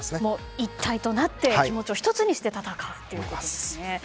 一体となって気持ちを一つにして戦うということですね。